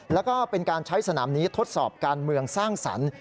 แล้วก็เป็นการใช้สนามนี้ทดสอบการเมืองสร้างสรรค์